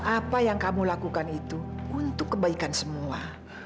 apa yang kamu lakukan itu untuk kebaikan semua